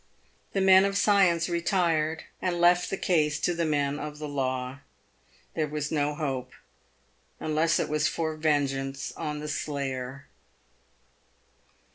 The men of science retired and left the case to the men of the law. There was no hope, unless it was for ven geance on the slayer.